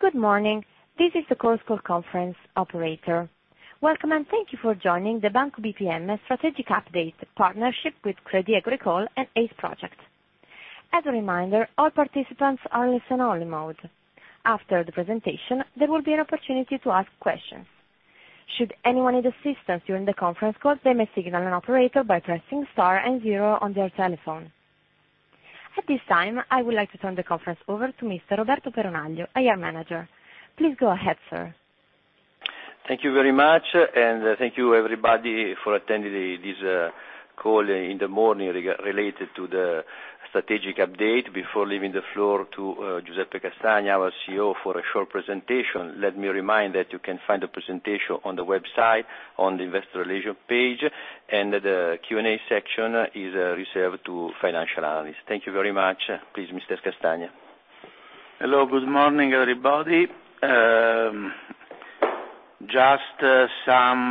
Good morning. This is the call conference operator. Welcome, thank you for joining the Banco BPM strategic update partnership with Crédit Agricole and ACE Project. As a reminder, all participants are in listen-only mode. After the presentation, there will be an opportunity to ask questions. Should anyone need assistance during the conference call, they may signal an operator by pressing star and zero on their telephone. At this time, I would like to turn the conference over to Mr. Roberto Peronaglio, IR manager. Please go ahead, sir. Thank you very much. Thank you everybody for attending this call in the morning related to the strategic update. Before leaving the floor to Giuseppe Castagna, our CEO, for a short presentation, let me remind that you can find the presentation on the website on the investor relations page. The Q&A section is reserved to financial analysts. Thank you very much. Please, Mr. Castagna. Hello, good morning, everybody. Just some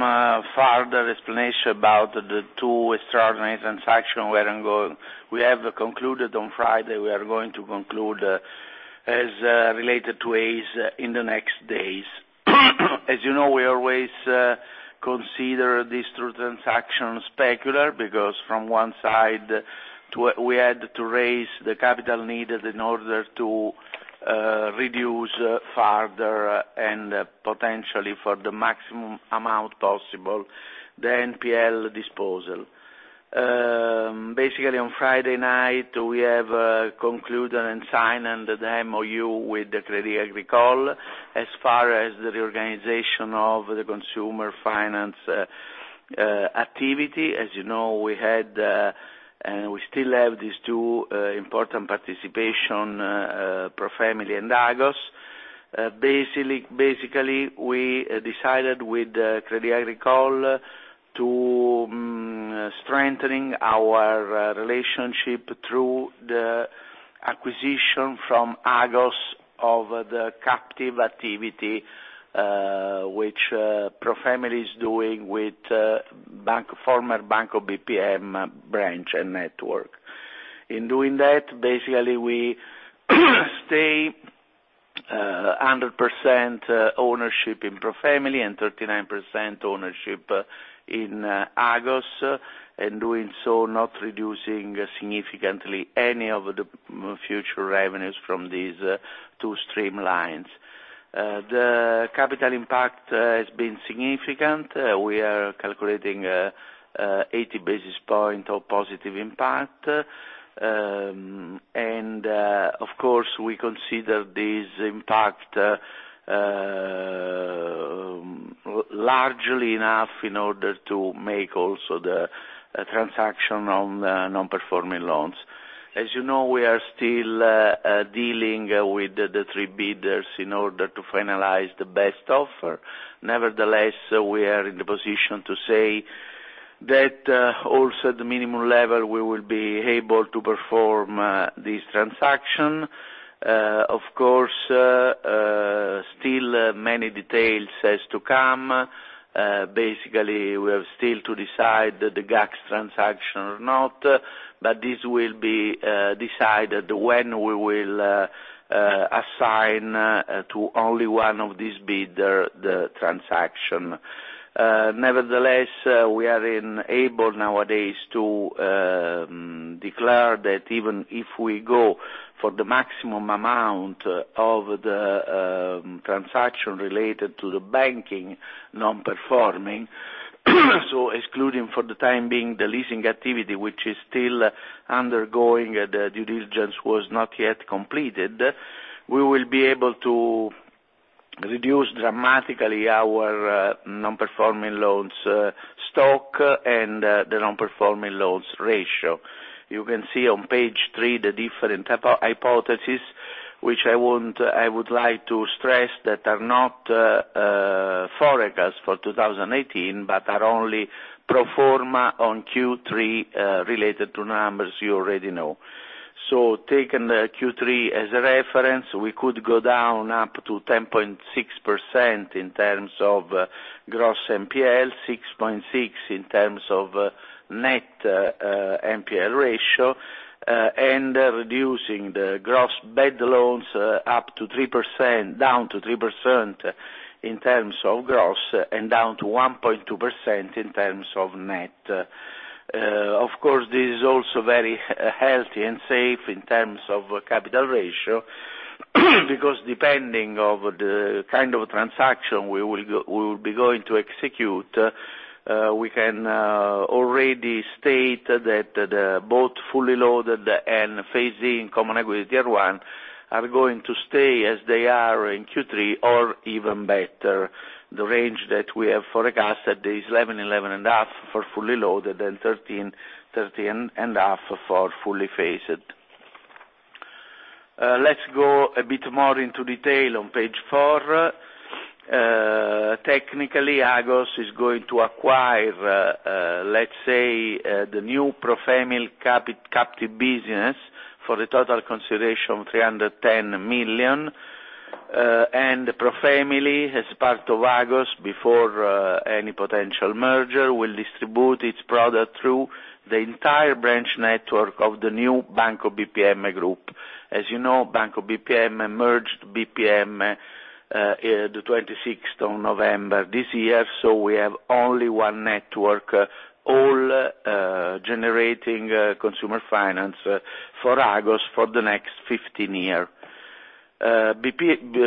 further explanation about the two extraordinary transactions we have concluded on Friday. We are going to conclude as related to ACE in the next days. As you know, we always consider these two transactions specular because from one side, we had to raise the capital needed in order to reduce further, and potentially for the maximum amount possible, the NPL disposal. Basically, on Friday night, we have concluded and signed the MoU with the Crédit Agricole as far as the reorganization of the consumer finance activity. As you know, we still have these two important participation, ProFamily and Agos. Basically, we decided with Crédit Agricole to strengthen our relationship through the acquisition from Agos of the captive activity, which ProFamily is doing with former Banco BPM branch and network. In doing that, basically, we stay 100% ownership in ProFamily and 39% ownership in Agos, doing so, not reducing significantly any of the future revenues from these two streamlines. The capital impact has been significant. We are calculating 80 basis points of positive impact. Of course, we consider this impact largely enough in order to make also the transaction on the Non-Performing Loans. As you know, we are still dealing with the three bidders in order to finalize the best offer. Nevertheless, we are in the position to say that also the minimum level, we will be able to perform this transaction. Of course, still many details has to come. Basically, we have still to decide the GACS transaction or not, but this will be decided when we will assign to only one of these bidder the transaction. Nevertheless, we are enabled nowadays to declare that even if we go for the maximum amount of the transaction related to the banking non-performing, so excluding for the time being the leasing activity, which is still undergoing, the due diligence was not yet completed. We will be able to reduce dramatically our non-performing loans stock and the non-performing loans ratio. You can see on page three the different hypothesis, which I would like to stress that are not forecast for 2018 but are only pro forma on Q3 related to numbers you already know. Taking the Q3 as a reference, we could go down up to 10.6% in terms of gross NPL, 6.6% in terms of net NPL ratio, and reducing the gross bad loans down to 3% in terms of gross, and down to 1.2% in terms of net. Of course, this is also very healthy and safe in terms of capital ratio, because depending on the kind of transaction we will be going to execute, we can already state that both fully loaded and phased in Common Equity Tier 1 are going to stay as they are in Q3 or even better. The range that we have forecasted is 11.5% for fully loaded and 13.5% for fully phased. Let's go a bit more into detail on page four. Technically, Agos is going to acquire, let's say, the new ProFamily captive business for the total consideration of 310 million. ProFamily, as part of Agos, before any potential merger, will distribute its product through the entire branch network of the new Banco BPM Group. As you know, Banco BPM merged BPM the 26th on November this year, so we have only one network, all generating consumer finance for Agos for the next 15 year.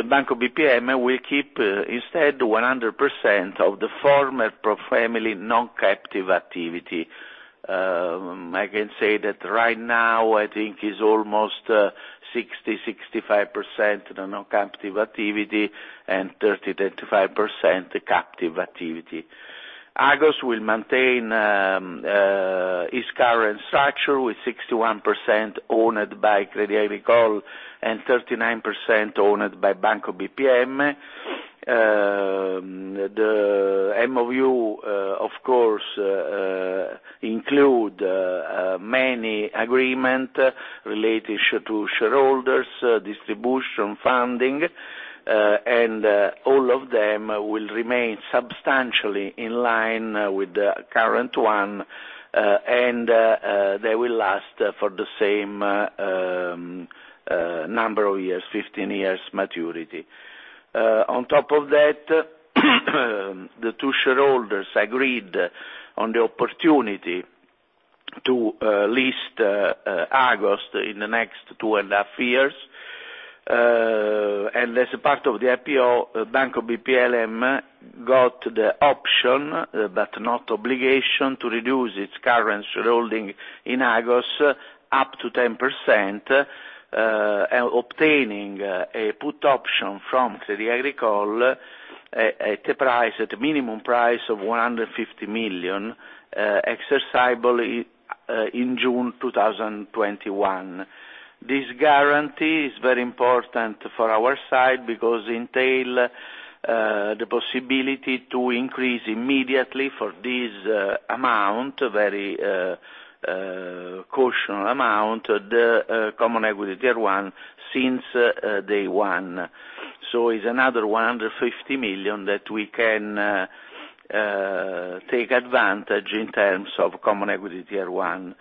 Banco BPM will keep instead 100% of the former ProFamily non-captive activity. I can say that right now, I think is almost 60%, 65% the non-captive activity and 30%, 35% captive activity. Agos will maintain its current structure with 61% owned by Crédit Agricole and 39% owned by Banco BPM. The MOU, of course, include many agreement related to shareholders, distribution, funding, and all of them will remain substantially in line with the current one, and they will last for the same number of years, 15 years maturity. On top of that, the two shareholders agreed on the opportunity to list Agos in the next two and a half years. As a part of the IPO, Banco BPM got the option, but not obligation, to reduce its current holding in Agos up to 10%, obtaining a put option from Crédit Agricole at a minimum price of 150 million, exercisable in June 2021. This guarantee is very important for our side because entail the possibility to increase immediately for this amount, very cautious amount, the Common Equity Tier 1 since day one. Is another 150 million that we can take advantage in terms of Common Equity Tier 1.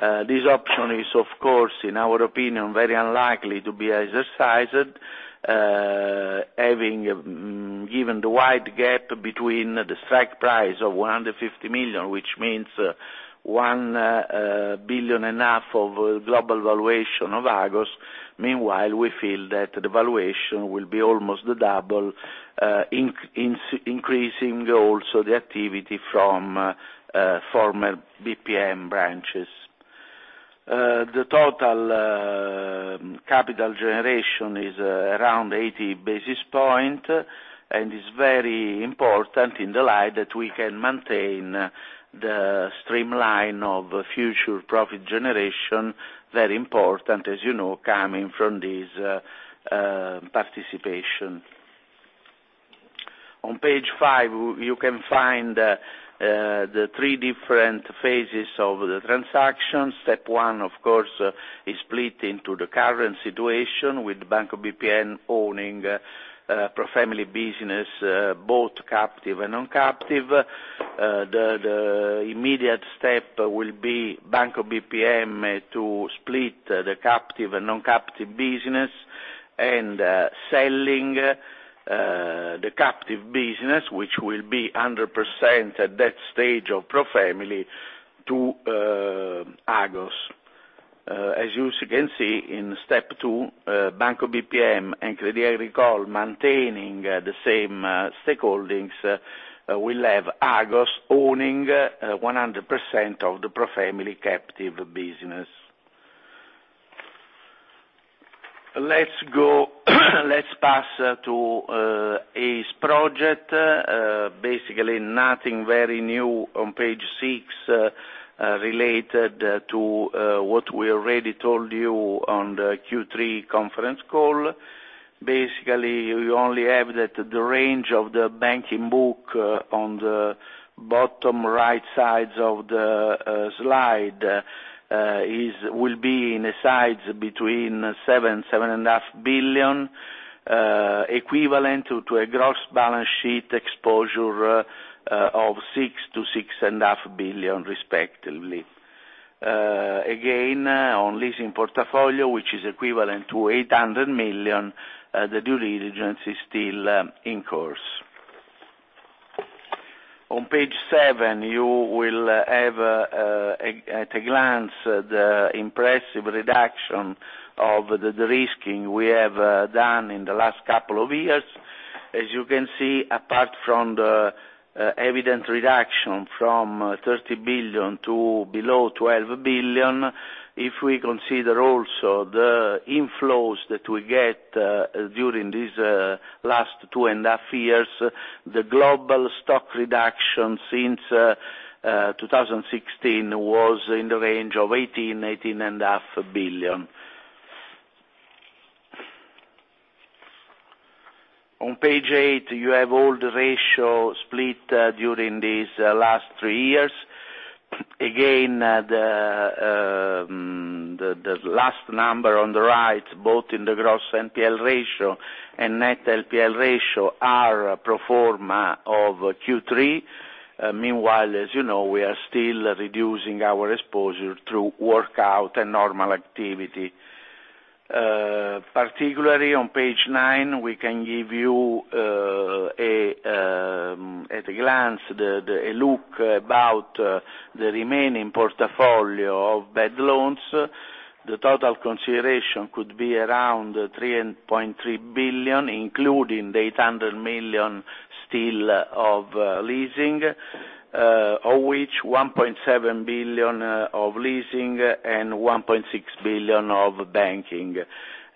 This option is, of course, in our opinion, very unlikely to be exercised given the wide gap between the strike price of 150 million, which means one billion and a half of global valuation of Agos. Meanwhile, we feel that the valuation will be almost double, increasing also the activity from former BPM branches. The total capital generation is around 80 basis points and is very important in the light that we can maintain the streamline of future profit generation, very important, as you know, coming from this participation. On page five, you can find the three different phases of the transaction. Step one, of course, is split into the current situation with Banco BPM owning ProFamily business, both captive and non-captive. The immediate step will be Banco BPM to split the captive and non-captive business and selling the captive business, which will be 100% at that stage of ProFamily, to Agos. As you can see in step two, Banco BPM and Crédit Agricole maintaining the same stakeholdings will have Agos owning 100% of the ProFamily captive business. Let's pass to ACE project. Basically, nothing very new on page six, related to what we already told you on the Q3 conference call. You only have that the range of the banking book on the bottom right side of the slide will be in a size between 7 billion-7.5 billion, equivalent to a gross balance sheet exposure of 6 billion-6.5 billion respectively. On leasing portfolio, which is equivalent to 800 million, the due diligence is still in course. On page seven, you will have at a glance the impressive reduction of the de-risking we have done in the last couple of years. As you can see, apart from the evident reduction from 30 billion to below 12 billion, if we consider also the inflows that we get during these last two and a half years, the global stock reduction since 2016 was in the range of 18 billion-18.5 billion. On page eight, you have all the ratio split during these last three years. The last number on the right, both in the gross NPL ratio and net NPL ratio are pro forma of Q3. Meanwhile, as you know, we are still reducing our exposure through workout and normal activity. On page nine, we can give you, at a glance, a look about the remaining portfolio of bad loans. The total consideration could be around 3.3 billion, including the 800 million still of leasing, of which 1.7 billion of leasing and 1.6 billion of banking.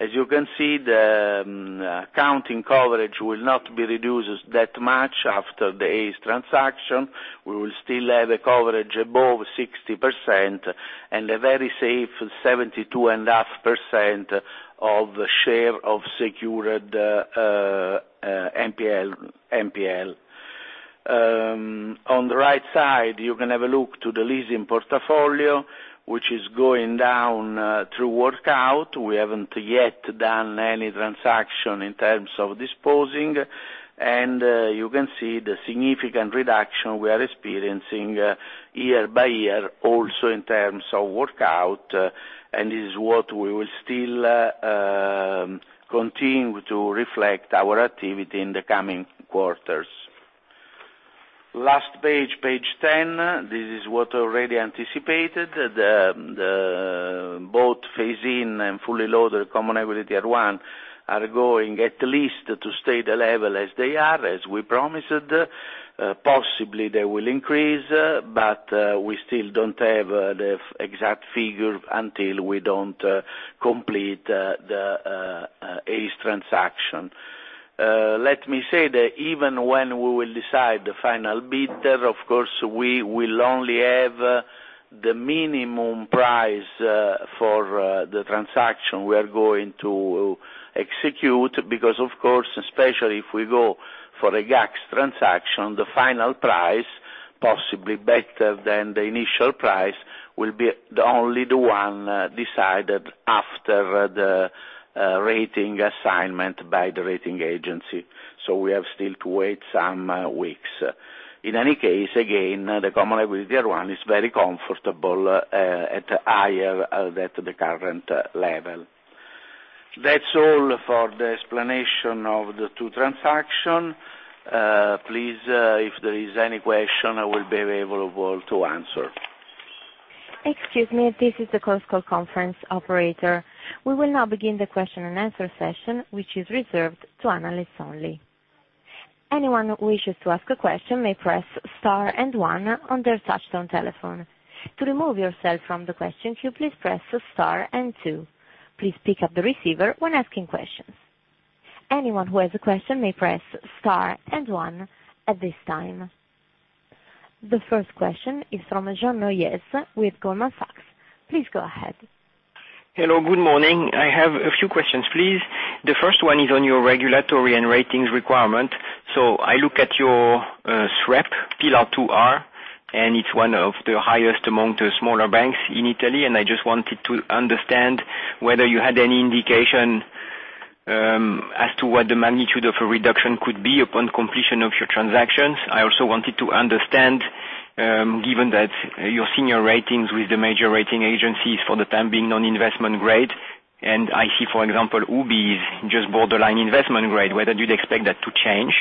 As you can see, the accounting coverage will not be reduced that much after the ACE transaction. We will still have a coverage above 60% and a very safe 72.5% of the share of secured NPL. On the right side, you can have a look to the leasing portfolio, which is going down through workout. We haven't yet done any transaction in terms of disposing, and you can see the significant reduction we are experiencing year by year, also in terms of workout, and this is what we will still continue to reflect our activity in the coming quarters. Last page 10. This is what already anticipated. Both phase-in and fully loaded Common Equity Tier 1 are going at least to stay the level as they are, as we promised. Possibly they will increase, but we still don't have the exact figure until we don't complete the ACE transaction. Let me say that even when we will decide the final bid, of course, we will only have the minimum price for the transaction we are going to execute, because, of course, especially if we go for a GACS transaction, the final price, possibly better than the initial price, will be only the one decided after the rating assignment by the rating agency. We have still to wait some weeks. In any case, again, the Common Equity Tier 1 is very comfortable at higher than the current level. That's all for the explanation of the two transaction. Please, if there is any question, I will be available to answer. Excuse me. This is the Chorus Call conference operator. We will now begin the question and answer session, which is reserved to analysts only. Anyone who wishes to ask a question may press star and one on their touch-tone telephone. To remove yourself from the question queue, please press star and two. Please pick up the receiver when asking questions. Anyone who has a question may press star and one at this time. The first question is from Jean Neuez with Goldman Sachs. Please go ahead. Hello, good morning. I have a few questions, please. The first one is on your regulatory and ratings requirement. I look at your SREP Pillar 2 R, and it's one of the highest among the smaller banks in Italy, and I just wanted to understand whether you had any indication as to what the magnitude of a reduction could be upon completion of your transactions. I also wanted to understand, given that your senior ratings with the major rating agencies for the time being non-investment grade, and I see, for example, UBI's just borderline investment grade, whether you'd expect that to change.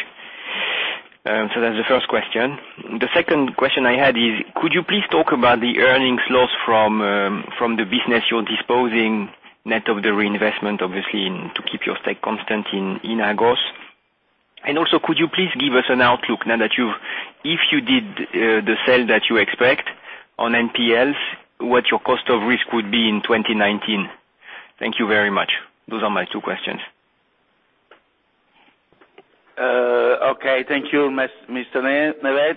That's the first question. The second question I had is, could you please talk about the earnings loss from the business you're disposing, net of the reinvestment, obviously, to keep your stake constant in Agos. Could you please give us an outlook now that you did the sale that you expect on NPLs, what your cost of risk would be in 2019? Thank you very much. Those are my two questions. Okay. Thank you, Mr. Neuez.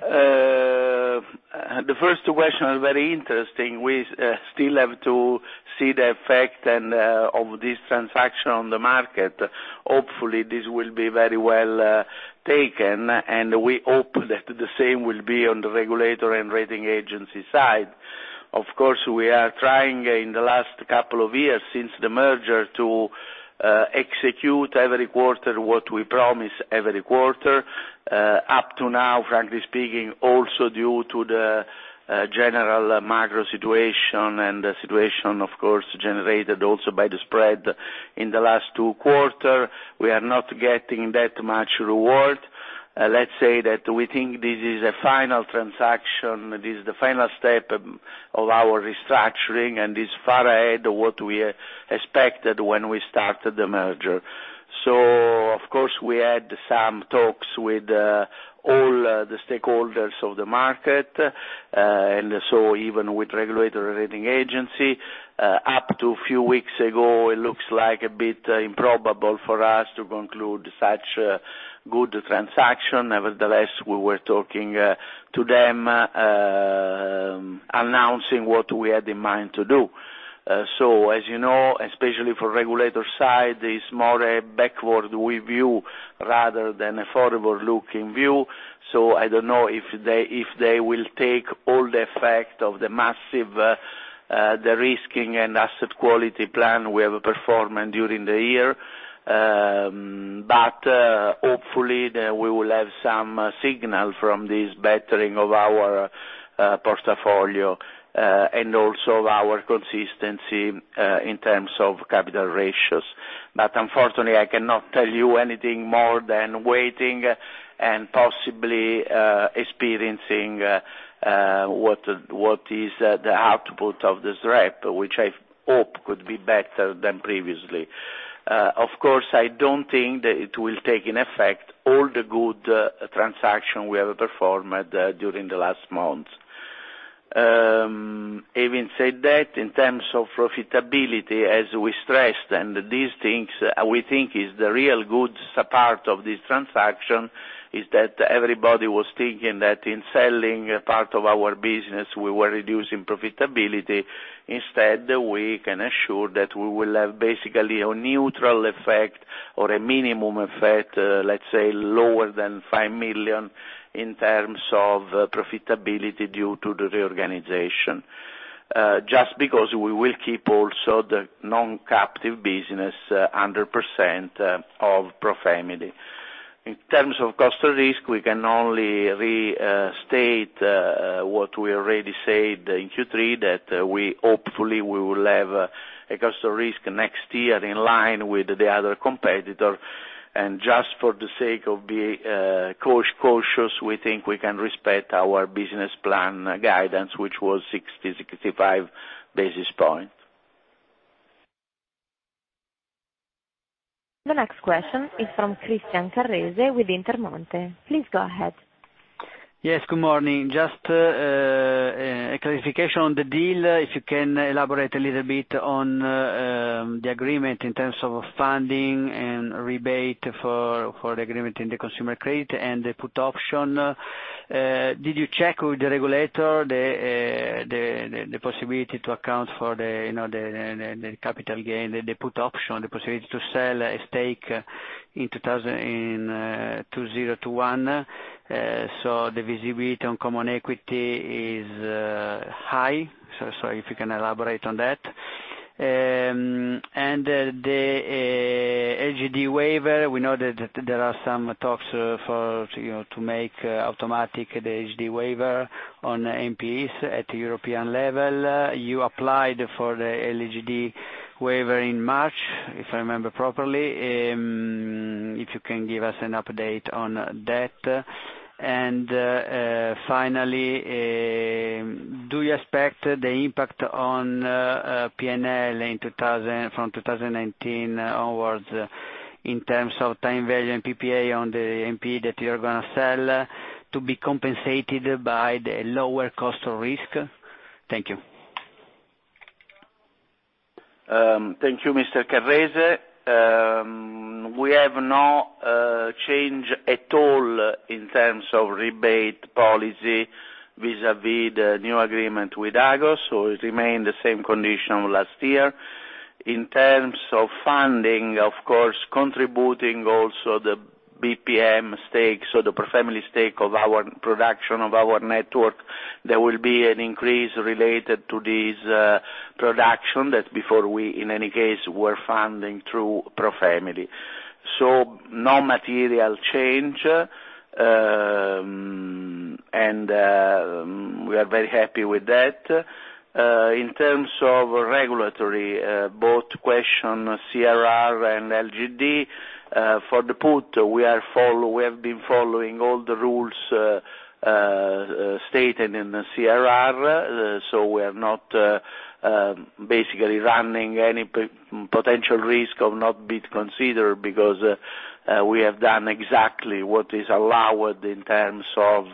The first question is very interesting. We still have to see the effect of this transaction on the market. Hopefully, this will be very well taken, and we hope that the same will be on the regulator and rating agency side. We are trying in the last couple of years since the merger to execute every quarter what we promise every quarter. Frankly speaking, also due to the general macro situation and the situation, of course, generated also by the spread in the last two quarter, we are not getting that much reward. We think this is a final transaction. This is the final step of our restructuring, and it is far ahead what we expected when we started the merger. We had some talks with all the stakeholders of the market, even with regulatory rating agency. A few weeks ago, it looks like a bit improbable for us to conclude such a good transaction. We were talking to them, announcing what we had in mind to do. As you know, especially for regulator side, it is more a backward review rather than a forward-looking view. I don't know if they will take all the effect of the massive derisking and asset quality plan we have performed during the year. Hopefully, we will have some signal from this bettering of our portfolio, and also our consistency in terms of capital ratios. Unfortunately, I cannot tell you anything more than waiting and possibly experiencing what is the output of this SREP, which I hope could be better than previously. I don't think that it will take in effect all the good transaction we have performed during the last month. In terms of profitability, as we stressed, and these things we think is the real good part of this transaction is that everybody was thinking that in selling a part of our business, we were reducing profitability. We can assure that we will have basically a neutral effect or a minimum effect, lower than 5 million in terms of profitability due to the reorganization. We will keep also the non-captive business 100% of ProFamily. In terms of cost of risk, we can only restate what we already said in Q3, that hopefully we will have a cost of risk next year in line with the other competitor. Just for the sake of being cautious, we think we can respect our business plan guidance, which was 60, 65 basis point. The next question is from Christian Carrese with Intermonte. Please go ahead. Yes, good morning. Just a clarification on the deal. If you can elaborate a little bit on the agreement in terms of funding and rebate for the agreement in the consumer credit and the put option. Did you check with the regulator the possibility to account for the capital gain, the put option, the possibility to sell a stake in 2021? The visibility on common equity is high. If you can elaborate on that. The LGD waiver, we know that there are some talks to make automatic the LGD waiver on NPLs at European level. You applied for the LGD waiver in March, if I remember properly. If you can give us an update on that. Finally, do you expect the impact on PNL from 2019 onwards in terms of time value and PPA on the NPL that you are going to sell to be compensated by the lower cost of risk? Thank you. Thank you, Mr. Carrese. We have no change at all in terms of rebate policy vis-a-vis the new agreement with Agos, it remained the same condition last year. In terms of funding, of course, contributing also the BPM stake, the ProFamily stake of our production of our network, there will be an increase related to this production that before we, in any case, were funding through ProFamily. No material change, and we are very happy with that. In terms of regulatory, both question CRR and LGD, for the put, we have been following all the rules stated in the CRR, we are not basically running any potential risk of not being considered because we have done exactly what is allowed in terms of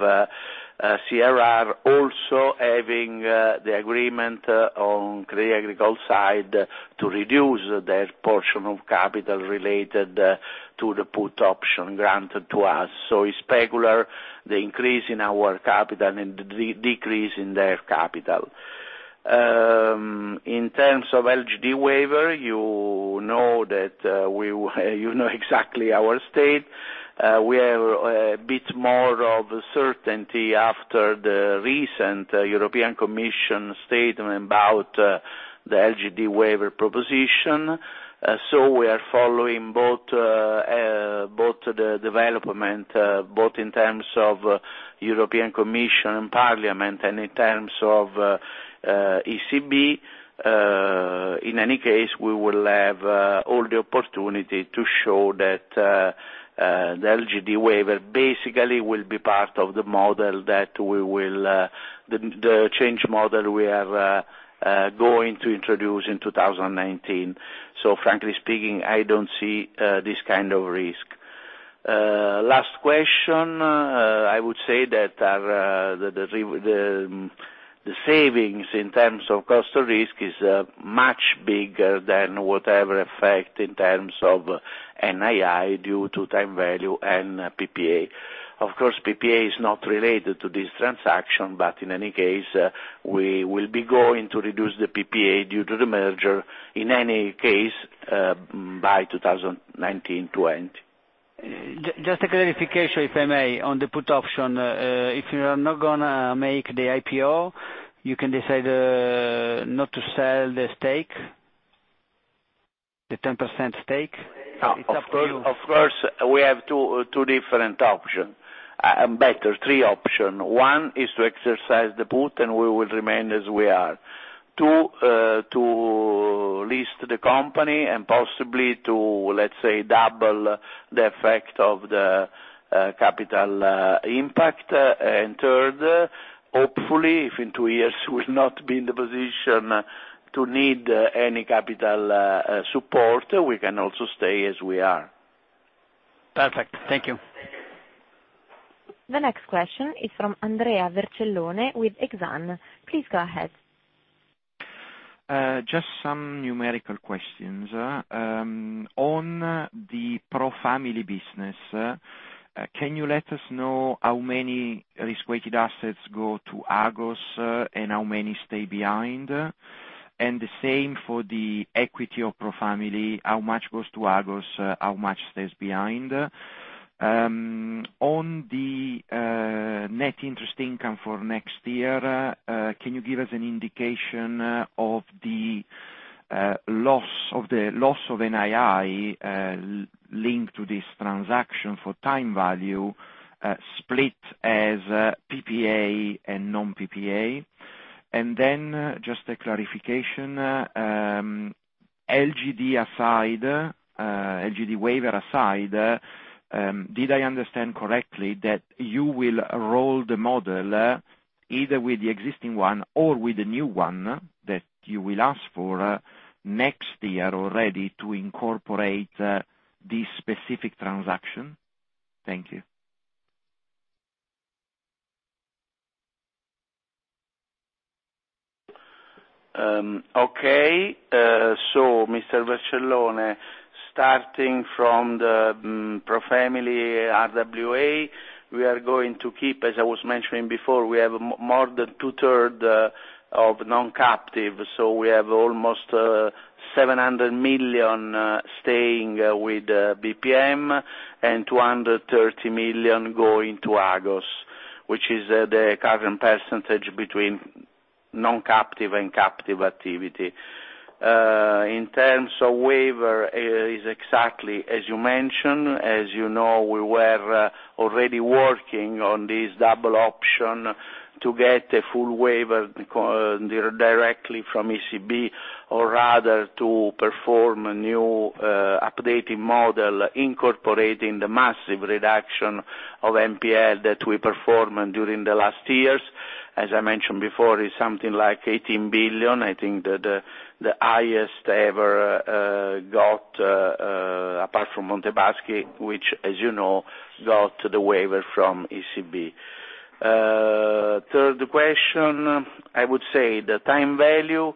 CRR. Also having the agreement on Crédit Agricole side to reduce their portion of capital related to the put option granted to us. It's regular, the increase in our capital and the decrease in their capital. In terms of LGD waiver, you know exactly our state. We have a bit more of certainty after the recent European Commission statement about the LGD waiver proposition. We are following both the development, both in terms of European Commission and Parliament and in terms of ECB. In any case, we will have all the opportunity to show that the LGD waiver basically will be part of the change model we are going to introduce in 2019. Frankly speaking, I don't see this kind of risk. Last question, I would say that the savings in terms of cost of risk is much bigger than whatever effect in terms of NII due to time value and PPA. Of course, PPA is not related to this transaction, but in any case, we will be going to reduce the PPA due to the merger in any case, by 2019/20. Just a clarification, if I may, on the put option. If you are not going to make the IPO, you can decide not to sell the 10% stake? Of course, we have two different options. Better, three options. One is to exercise the put. We will remain as we are. Two, to list the company, possibly to, let's say, double the effect of the capital impact. Third, hopefully, if in two years we will not be in the position to need any capital support, we can also stay as we are. Perfect. Thank you. The next question is from Andrea Vercellone with Exane. Please go ahead. Just some numerical questions. On the ProFamily business, can you let us know how many risk-weighted assets go to Agos, and how many stay behind? The same for the equity of ProFamily, how much goes to Agos, how much stays behind? On the net interest income for next year, can you give us an indication of the loss of NII linked to this transaction for time value split as PPA and non-PPA? Then just a clarification, LGD waiver aside, did I understand correctly that you will roll the model, either with the existing one or with the new one that you will ask for next year already to incorporate this specific transaction? Thank you. Mr. Vercellone, starting from the ProFamily RWA, we are going to keep, as I was mentioning before, we have more than two-third of non-captive. We have almost 700 million staying with BPM and 230 million going to Agos, which is the current percentage between non-captive and captive activity. In terms of waiver, it is exactly as you mentioned. As you know, we were already working on this double option to get a full waiver directly from ECB or rather to perform a new updating model incorporating the massive reduction of NPL that we performed during the last years. As I mentioned before, it's something like 18 billion. I think the highest ever got apart from Monte Paschi, which as you know, got the waiver from ECB. Third question, I would say the time value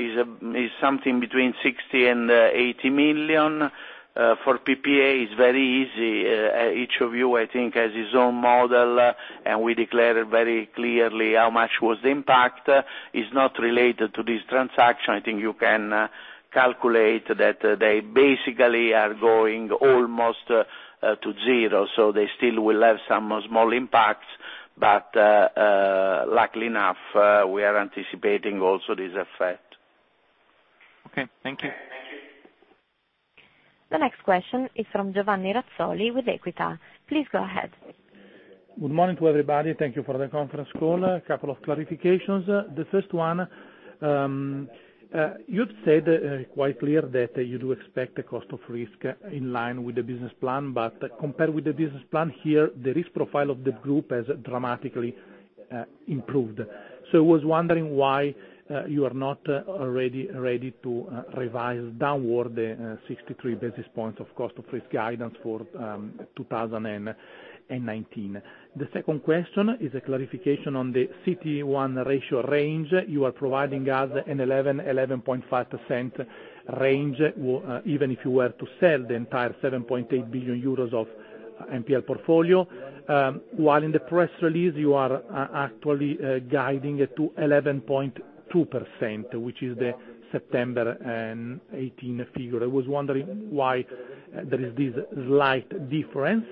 is something between 60 million and 80 million. For PPA, it's very easy. Each of you, I think, has his own model, and we declared very clearly how much was the impact. It is not related to this transaction. I think you can calculate that they basically are going almost to zero, they still will have some small impacts. Luckily enough, we are anticipating also this effect. Okay. Thank you. The next question is from Giovanni Razzoli with Equita. Please go ahead. Good morning to everybody. Thank you for the conference call. A couple of clarifications. The first one, you have said quite clear that you do expect the cost of risk in line with the business plan, compared with the business plan here, the risk profile of the group has dramatically improved. I was wondering why you are not already ready to revise downward the 63 basis points of cost of risk guidance for 2019. The second question is a clarification on the CET1 ratio range. You are providing us an 11%-11.5% range, even if you were to sell the entire 7.8 billion euros of NPL portfolio. While in the press release, you are actually guiding it to 11.2%, which is the September 2018 figure. I was wondering why there is this slight difference.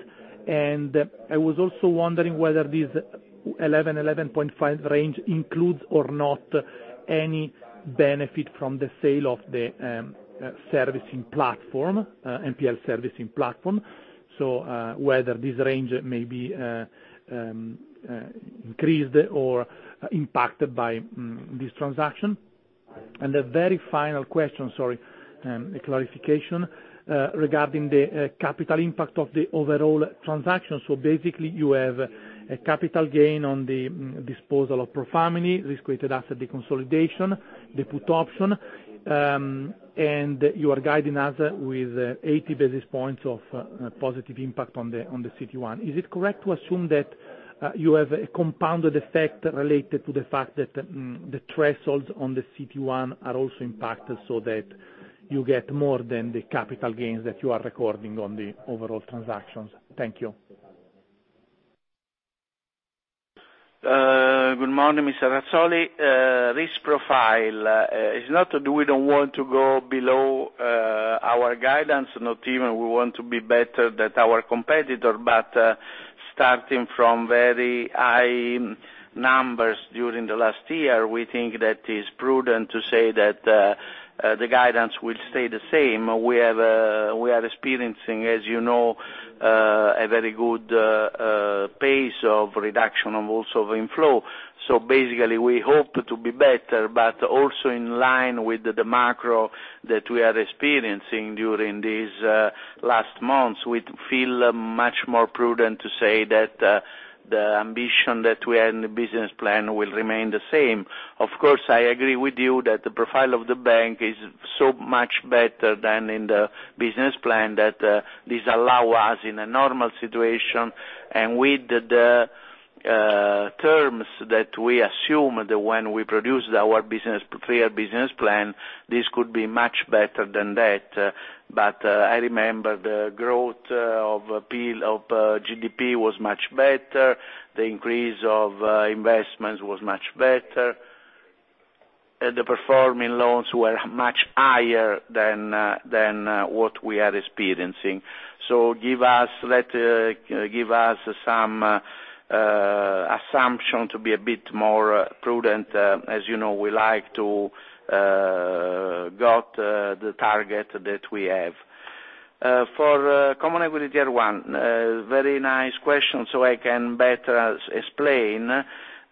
I was also wondering whether this 11%-11.5% range includes or not any benefit from the sale of the NPL servicing platform. Whether this range may be increased or impacted by this transaction. A very final question, sorry, a clarification regarding the capital impact of the overall transaction. Basically you have a capital gain on the disposal of ProFamily, risk-weighted asset deconsolidation, the put option, and you are guiding us with 80 basis points of positive impact on the CET1. Is it correct to assume that you have a compounded effect related to the fact that the thresholds on the CET1 are also impacted so that you get more than the capital gains that you are recording on the overall transactions? Thank you. Good morning, Mr. Razzoli. Risk profile is not that we don't want to go below our guidance, not even we want to be better than our competitor, starting from very high numbers during the last year, we think that it is prudent to say that the guidance will stay the same. We are experiencing, as you know, a very good pace of reduction of also inflow. Basically, we hope to be better, but also in line with the macro that we are experiencing during these last months. We feel much more prudent to say that the ambition that we had in the business plan will remain the same. Of course, I agree with you that the profile of the bank is so much better than in the business plan that this allow us in a normal situation, and with the terms that we assumed when we produced our three-year business plan, this could be much better than that. I remember the growth of GDP was much better. The increase of investments was much better. The performing loans were much higher than what we are experiencing. Give us some assumption to be a bit more prudent. As you know, we like to got the target that we have. For Common Equity Tier 1, very nice question, I can better explain.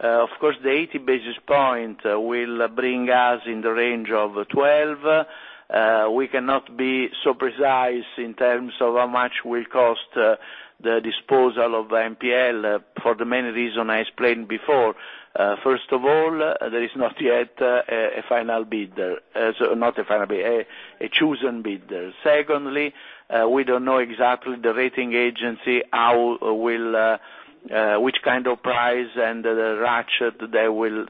Of course, the 80 basis point will bring us in the range of 12%. We cannot be so precise in terms of how much will cost the disposal of NPL for the main reason I explained before. First of all, there is not yet a chosen bidder. Secondly, we don't know exactly the rating agency, which kind of price and the ratchet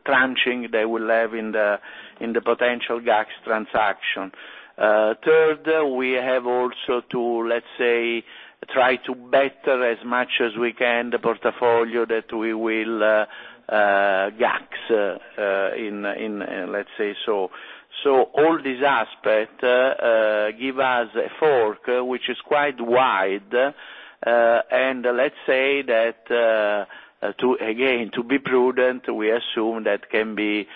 tranching they will have in the potential GACS transaction. Third, we have also to, let's say, try to better as much as we can the portfolio that we will GACS in, let's say so. All these aspect give us a fork, which is quite wide. Let's say that, again, to be prudent, we assume that can be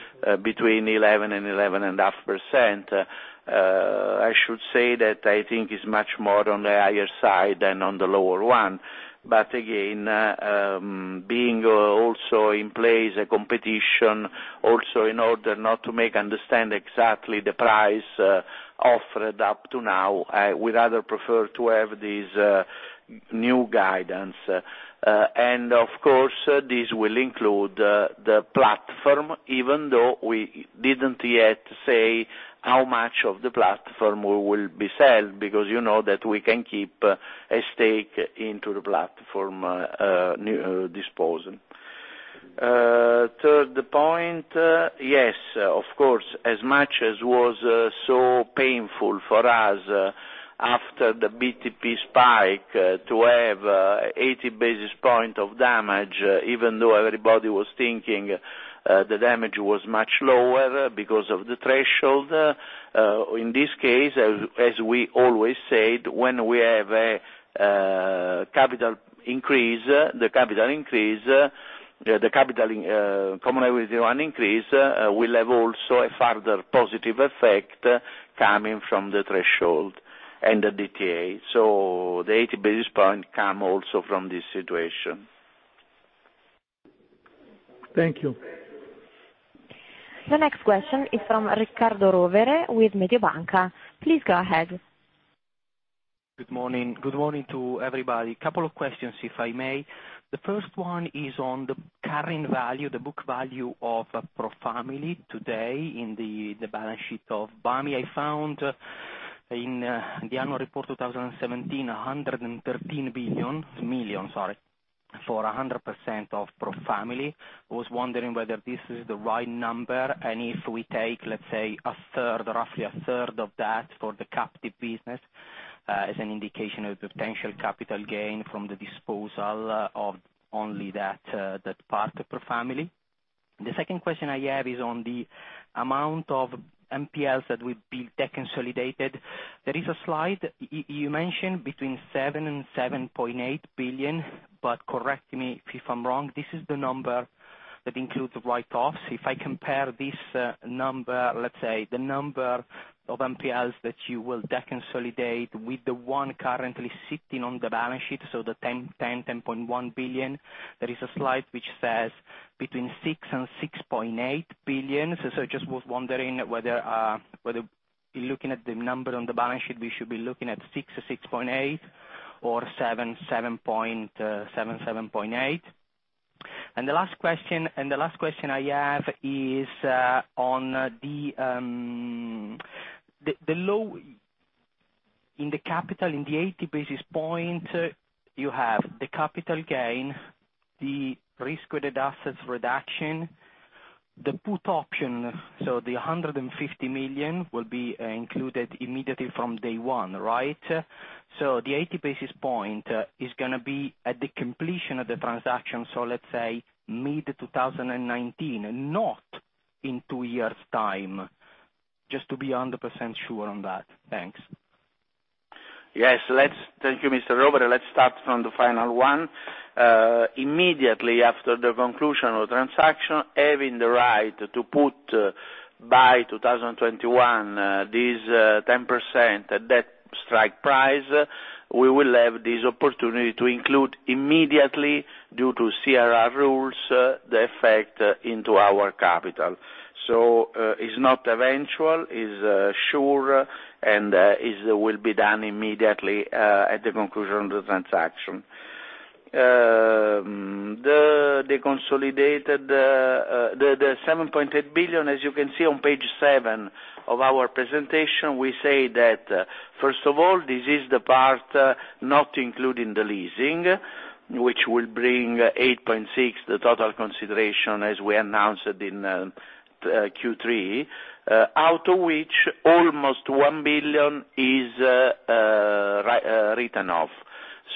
between 11% and 11.5%. I should say that I think it's much more on the higher side than on the lower one. Again, being also in place a competition also in order not to make understand exactly the price offered up to now, I would rather prefer to have this new guidance. Of course, this will include the platform, even though we didn't yet say how much of the platform will be sold because you know that we can keep a stake into the platform disposal. Third point, yes, of course, as much as was so painful for us after the BTP spike to have 80 basis points of damage, even though everybody was thinking the damage was much lower because of the threshold. In this case, as we always said, when we have the common equity one increase, we'll have also a further positive effect coming from the threshold and the DTA. The 80 basis points come also from this situation. Thank you. The next question is from Riccardo Rovere with Mediobanca. Please go ahead. Good morning. Good morning to everybody. Couple of questions, if I may. The first one is on the current value, the book value of ProFamily today in the balance sheet of Banco BPM. I found in the annual report 2017, 113 million, sorry, for 100% of ProFamily. Was wondering whether this is the right number, and if we take, let's say, roughly a third of that for the captive business as an indication of the potential capital gain from the disposal of only that part of ProFamily. The second question I have is on the amount of NPLs that will be deconsolidated. There is a slide you mentioned between 7 billion and 7.8 billion, but correct me if I'm wrong. This is the number that includes the write-offs. If I compare this number, let's say the number of NPLs that you will deconsolidate with the one currently sitting on the balance sheet, the 10 billion-10.1 billion. There is a slide which says between 6 billion and 6.8 billion. Just was wondering whether looking at the number on the balance sheet, we should be looking at 6 billion to 6.8 billion or 7 billion-7.8 billion. The last question I have is on in the capital, in the 80 basis points, you have the capital gain, the risk-weighted assets reduction. The put option, the 150 million will be included immediately from day one, right? The 80 basis points is going to be at the completion of the transaction, let's say mid-2019, not in two years' time. Just to be 100% sure on that. Thanks. Yes. Thank you, Mr. Rovere. Let's start from the final one. Immediately after the conclusion of transaction, having the right to put by 2021 this 10% debt strike price, we will have this opportunity to include immediately, due to CRR rules, the effect into our capital. It's not eventual, it's sure, and it will be done immediately, at the conclusion of the transaction. The 7.8 billion, as you can see on page seven of our presentation, we say that, first of all, this is the part not including the leasing, which will bring 8.6 billion, the total consideration, as we announced in Q3, out of which almost 1 billion is written off.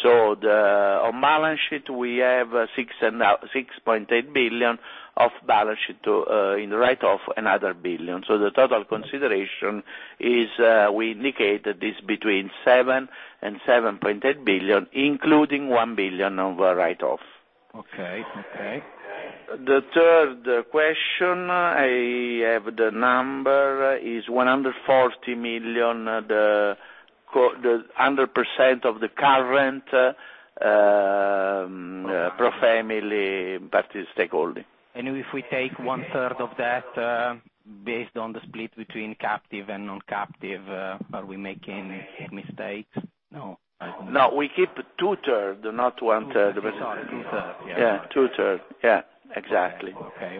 On balance sheet, we have 6.8 billion of balance sheet in the write-off, another 1 billion. The total consideration is, we indicated, is between 7 billion and 7.8 billion, including 1 billion of write-off. Okay. The third question, I have the number, is 140 million, the 100% of the current ProFamily stakeholding. If we take one third of that, based on the split between captive and non-captive, are we making mistakes? No. No, we keep two third, not one third. Sorry, two third. Yeah, two third. Yeah, exactly. Okay.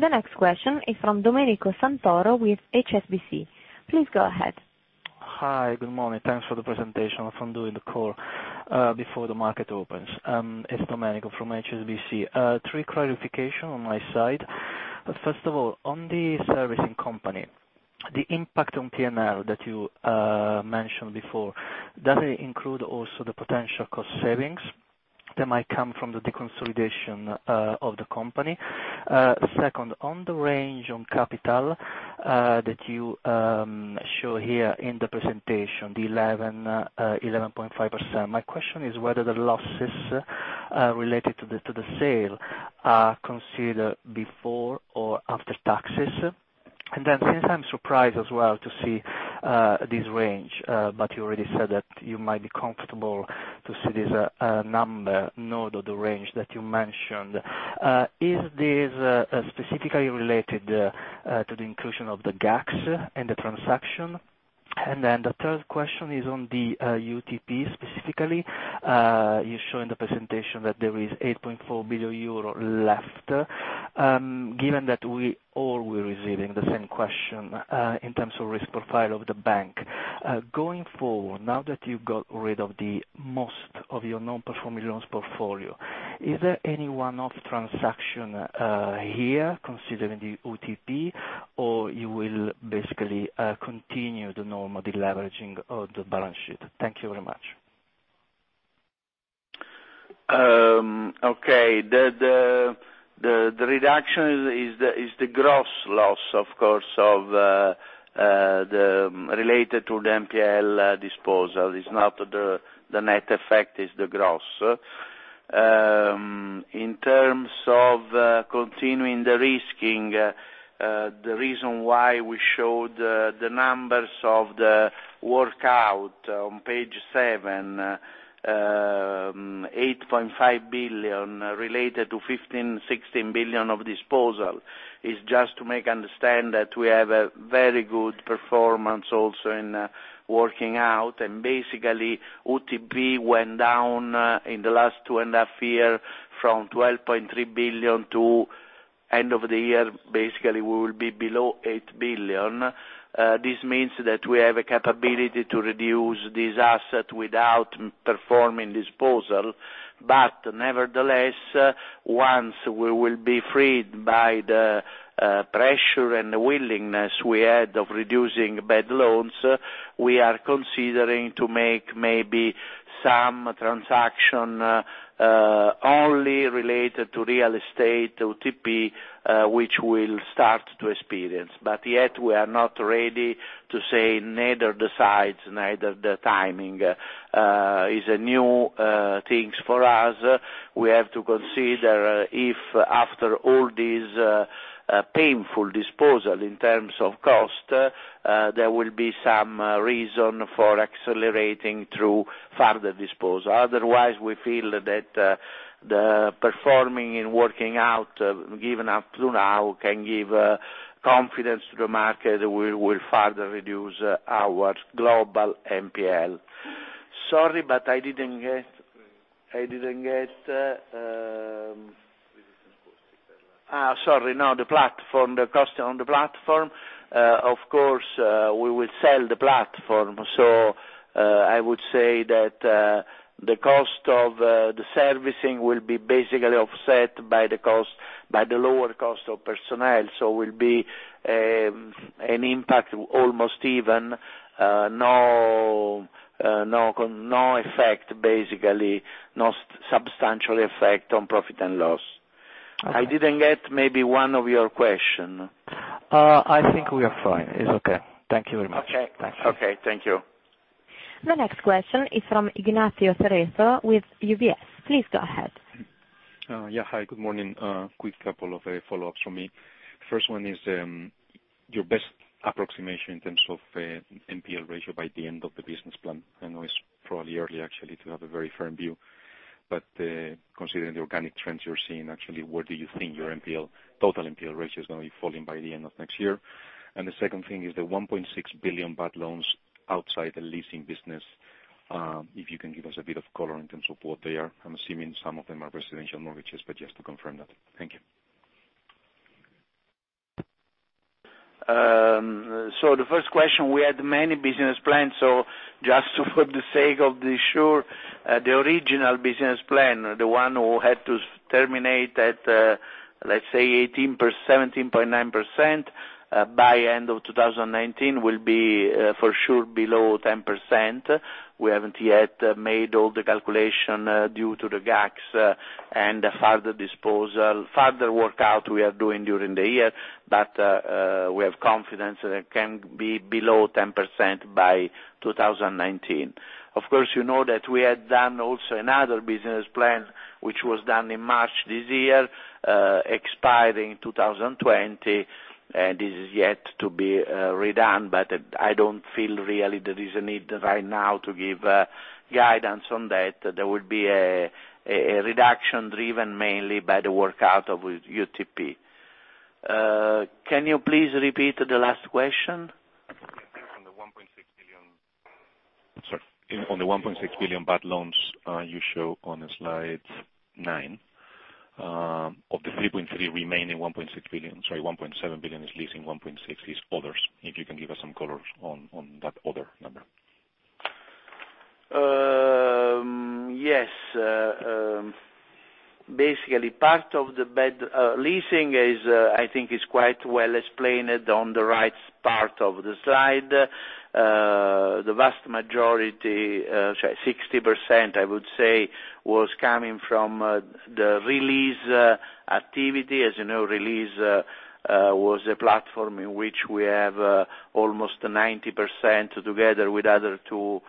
The next question is from Domenico Santoro with HSBC. Please go ahead. Hi. Good morning. Thanks for the presentation. I'm doing the call before the market opens. It's Domenico from HSBC. Three clarification on my side. First of all, on the servicing company, the impact on P&L that you mentioned before, does it include also the potential cost savings that might come from the deconsolidation of the company? Second, on the range on capital that you show here in the presentation, the 11.5%. My question is whether the losses related to the sale are considered before or after taxes. Since I'm surprised as well to see this range, but you already said that you might be comfortable to see this number, not the range that you mentioned. Is this specifically related to the inclusion of the GACS in the transaction? The third question is on the UTP specifically. You show in the presentation that there is 8.4 billion euro left. Given that we all were receiving the same question, in terms of risk profile of the bank, going forward, now that you got rid of the most of your non-performing loans portfolio, is there any one-off transaction here considering the UTP, or you will basically continue the normal deleveraging of the balance sheet? Thank you very much. Okay. The reduction is the gross loss, of course, related to the NPL disposal. It's not the net effect, it's the gross. In terms of continuing the risking, the reason why we showed the numbers of the workout on page seven, 8.5 billion related to 15 billion-16 billion of disposal, is just to make understand that we have a very good performance also in working out. Basically, UTP went down in the last two and a half year from 12.3 billion to end of the year, basically we will be below 8 billion. This means that we have a capability to reduce this asset without performing disposal. Nevertheless, once we will be freed by the pressure and the willingness we had of reducing bad loans, we are considering to make maybe some transaction, only related to real estate UTP, which we will start to experience. Yet we are not ready to say neither the sides, neither the timing. It's a new things for us. We have to consider if after all this painful disposal in terms of cost, there will be some reason for accelerating through further disposal. Otherwise, we feel that the performing and working out given up to now can give confidence to the market. We will further reduce our global NPL. Sorry, no, the platform, the cost on the platform. Of course, we will sell the platform. I would say that the cost of the servicing will be basically offset by the lower cost of personnel. Will be an impact almost even, no effect basically, no substantial effect on profit and loss. Okay. I didn't get maybe one of your question. I think we are fine. It's okay. Thank you very much. Okay. Thanks. Okay. Thank you. The next question is from Ignacio Cerezo with UBS. Please go ahead. Yeah. Hi, good morning. Quick couple of follow-ups from me. First one is your best approximation in terms of NPL ratio by the end of the business plan. I know it's probably early actually to have a very firm view, but considering the organic trends you're seeing, actually, where do you think your total NPL ratio is going to be falling by the end of next year? The second thing is the 1.6 billion bad loans outside the leasing business, if you can give us a bit of color in terms of what they are. I'm assuming some of them are residential mortgages, but just to confirm that. Thank you. The first question, we had many business plans, so just for the sake of this sure, the original business plan, the one we had to terminate at, let's say 17.9%, by end of 2019 will be for sure below 10%. We haven't yet made all the calculation due to the GACS and further disposal, further workout we are doing during the year, but we have confidence that it can be below 10% by 2019. Of course, you know that we had done also another business plan, which was done in March this year, expiring 2020, and this is yet to be redone, but I don't feel really there is a need right now to give guidance on that. There will be a reduction driven mainly by the workout of UTP. Can you please repeat the last question? Yeah. On the 1.6 billion bad loans you show on slide nine. Of the 3.3 billion remaining 1.7 billion is leasing, 1.6 billion is others. If you can give us some colors on that other number. Yes. Basically, part of the leasing is, I think is quite well explained on the right part of the slide. The vast majority, 60%, I would say, was coming from the Release activity. As you know, Release was a platform in which we have almost 90% together with other two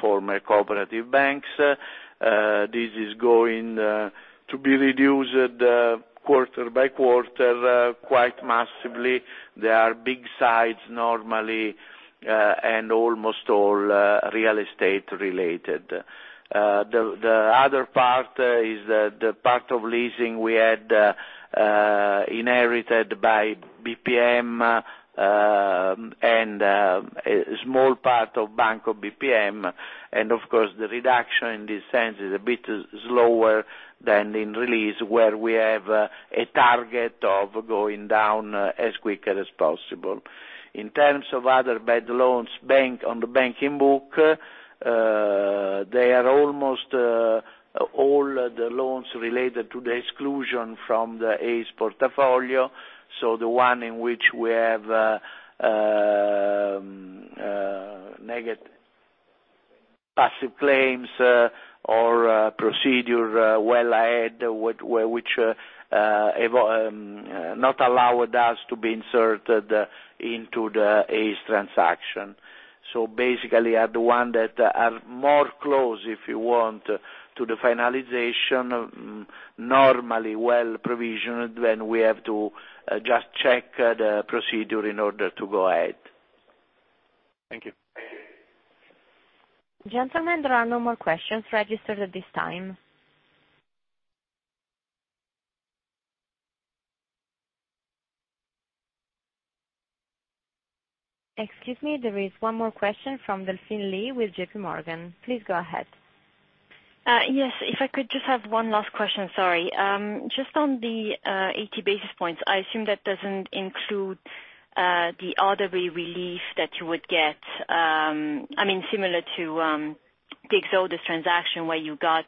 former cooperative banks. This is going to be reduced quarter by quarter, quite massively. They are big sides normally, and almost all real estate related. The other part is the part of leasing we had inherited by BPM, and a small part of Banco BPM. Of course, the reduction in this sense is a bit slower than in Release, where we have a target of going down as quicker as possible. In terms of other bad loans on the banking book, they are almost all the loans related to the exclusion from the ACE portfolio. The one in which we have negative passive claims or procedure well ahead, which not allowed us to be inserted into the ACE transaction. Basically are the one that are more close, if you want, to the finalization, normally well provisioned, then we have to just check the procedure in order to go ahead. Thank you. Gentlemen, there are no more questions registered at this time. Excuse me, there is one more question from Delphine Lee with JPMorgan. Please go ahead. Yes. If I could just have one last question, sorry. On the 80 basis points, I assume that doesn't include the RWA relief that you would get, similar to the Exodus transaction where you got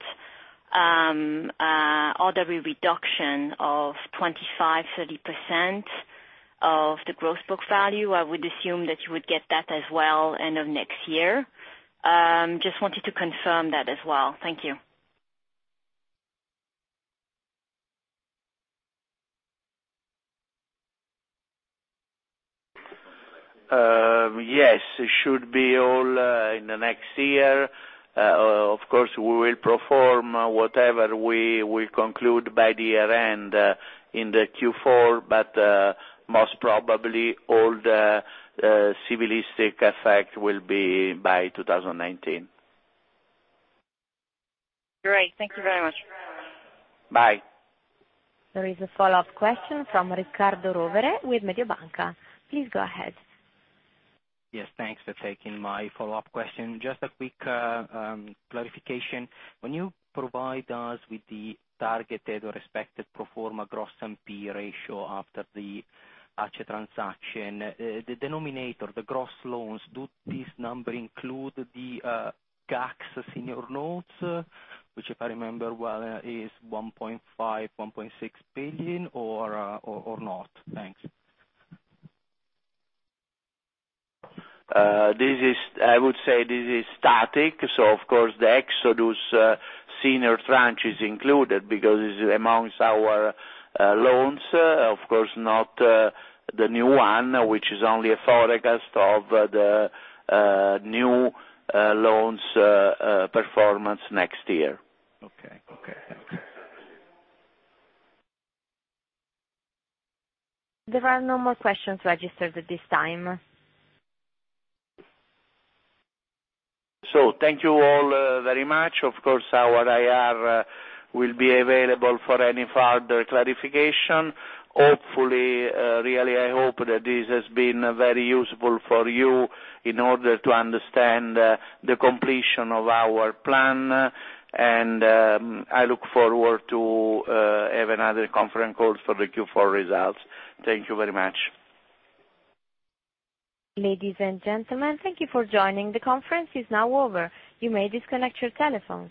RWA reduction of 25%, 30% of the gross book value. I would assume that you would get that as well end of next year. Wanted to confirm that as well. Thank you. Yes. It should be all in the next year. Of course, we will perform whatever we will conclude by the year-end in the Q4, most probably all the civilistic effect will be by 2019. Great. Thank you very much. Bye. There is a follow-up question from Riccardo Rovere with Mediobanca. Please go ahead. Yes, thanks for taking my follow-up question. Just a quick clarification. When you provide us with the targeted or expected pro forma gross NPL ratio after the ACE transaction, the denominator, the gross loans, do this number include the GACS senior notes, which if I remember well, is 1.5 billion, 1.6 billion or not? Thanks. I would say this is static. Of course, the Exodus senior tranche is included because it's amongst our loans. Of course, not the new one, which is only a forecast of the new loans performance next year. Okay. There are no more questions registered at this time. Thank you all very much. Of course, our IR will be available for any further clarification. Hopefully, really, I hope that this has been very useful for you in order to understand the completion of our plan, and I look forward to have another conference call for the Q4 results. Thank you very much. Ladies and gentlemen, thank you for joining. The conference is now over. You may disconnect your telephone.